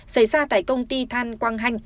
xảy ra tại công ty than quang hanh